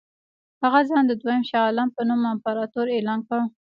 هغه ځان د دوهم شاه عالم په نوم امپراطور اعلان کړ.